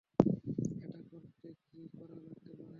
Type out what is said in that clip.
এটা করতে কী করা লাগতে পারে?